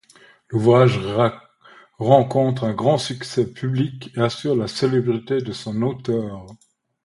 L'ouvrage rencontre un grand succès public et assure la célébrité de son auteur.